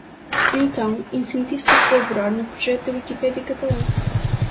Então, incentive-se a colaborar no projeto da Wikipédia catalã.